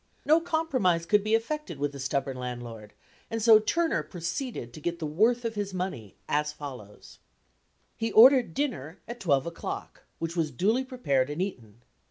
No compromise could be effected with the stubborn landlord and so Turner proceeded to get the worth of his money as follows: He ordered dinner at twelve o'clock, which was duly prepared and eaten.